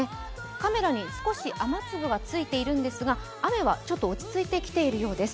カメラに少し雨粒がついているんですが雨はちょっと落ち着いてきているようです。